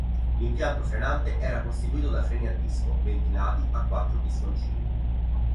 L'impianto frenante era costituito da freni a disco ventilati a quattro pistoncini.